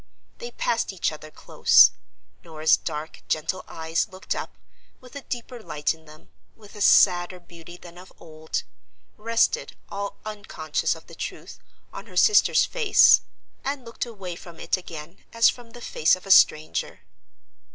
They passed each other close. Norah's dark gentle eyes looked up, with a deeper light in them, with a sadder beauty than of old—rested, all unconscious of the truth, on her sister's face—and looked away from it again as from the face of a stranger.